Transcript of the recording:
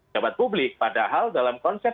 jabat publik padahal dalam konsep